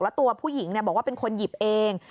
แล้วตัวผู้หญิงบอกว่าเป็นคนหยิบเอง